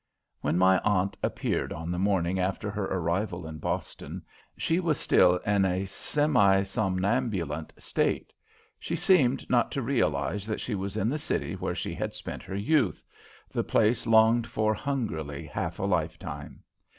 When my aunt appeared on the morning after her arrival in Boston, she was still in a semi somnambulant state. She seemed not to realize that she was in the city where she had spent her youth, the place longed for hungrily half a lifetime.